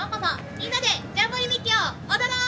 みんなでジャンボリミッキー！を踊ろう！